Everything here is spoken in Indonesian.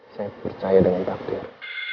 saya percaya dengan takdir